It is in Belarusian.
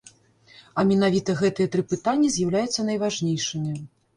А менавіта гэтыя тры пытанні з'яўляюцца найважнейшымі.